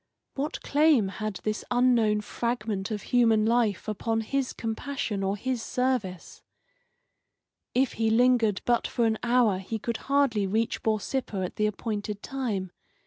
What claim had this unknown fragment of human life upon his compassion or his service? If he lingered but for an hour he could hardly reach Borsippa at the appointed time.